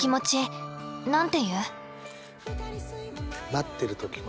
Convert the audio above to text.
待ってる時ね。